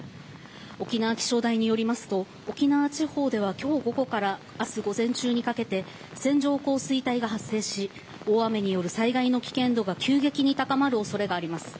沖縄気象台によりますと沖縄地方では今日午後から明日午前中にかけて線状降水帯が発生し大雨による災害の危険度が急激に高まる恐れがあります。